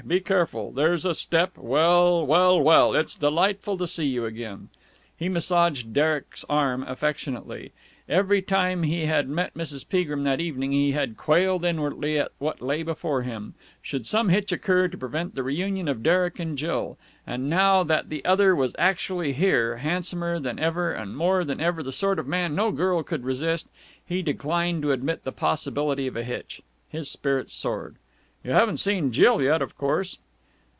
Be careful. There's a step. Well, well, well! It's delightful to see you again!" He massaged Derek's arm affectionately. Every time he had met Mrs. Peagrim that evening he had quailed inwardly at what lay before him, should some hitch occur to prevent the re union of Derek and Jill: and now that the other was actually here, handsomer than ever and more than ever the sort of man no girl could resist, he declined to admit the possibility of a hitch. His spirits soared. "You haven't seen Jill yet, of course?"